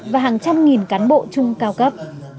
và hàng trăm nghìn cán bộ trung cao cấp